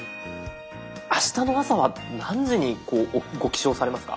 あしたの朝は何時にご起床されますか？